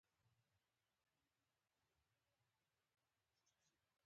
باسواده ښځې د پوهنتون استادانې دي.